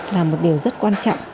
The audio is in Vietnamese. là một điều rất quan trọng